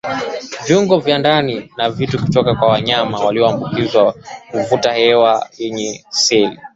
viungo vya ndani na vitu kutoka kwa wanyama walioambukizwa kuvuta hewa yenye seli